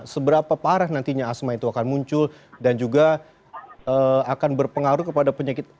seberapa parah nantinya asma itu akan muncul dan juga akan berpengaruh kepada penyakit